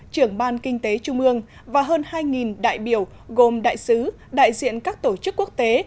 trưởng ban kinh tế trung ương và hơn hai đại biểu gồm đại sứ đại diện các tổ chức quốc tế